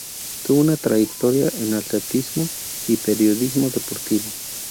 Tuvo una trayectoria en atletismo y periodismo deportivo.